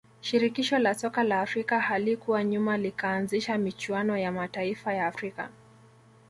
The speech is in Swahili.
shirikisho la soka la afrika halikuwa nyuma likaanzisha michuano ya mataifa ya afrika